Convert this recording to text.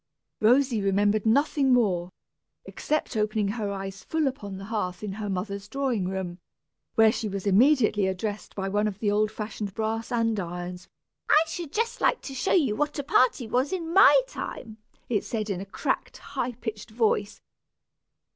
Rosy remembered nothing more, except opening her eyes full upon the hearth in her mother's drawing room, where she was immediately addressed by one of the old fashioned brass andirons. "I should just like to show you what a party was in my time," it said, in a cracked, high pitched voice.